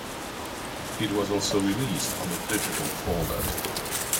It was also released on the digital format.